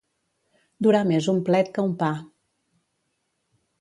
Durar més un plet que un pa.